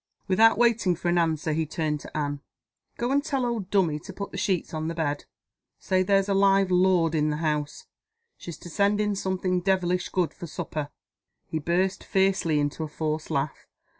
Without waiting for an answer, he turned to Anne. "Go and tell old Dummy to put the sheets on the bed. Say there's a live lord in the house she's to send in something devilish good for supper!" He burst fiercely into a forced laugh.